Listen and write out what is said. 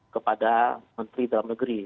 kepada menteri dalam negeri